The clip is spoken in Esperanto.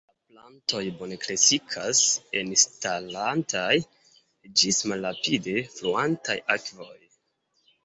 La plantoj bone kreskas en starantaj ĝis malrapide fluantaj akvoj.